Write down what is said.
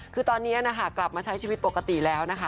คือตอนนี้นะคะกลับมาใช้ชีวิตปกติแล้วนะคะ